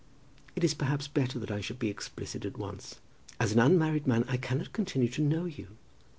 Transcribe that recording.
It is perhaps better that I should be explicit at once. As an unmarried man I cannot continue to know you.